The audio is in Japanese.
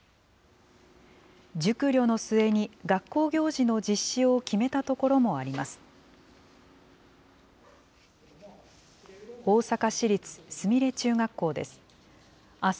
熟慮の末に学校行事の実施を決めた所もあります。